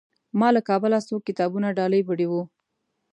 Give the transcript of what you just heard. ما له کابله څو کتابونه ډالۍ وړي وو.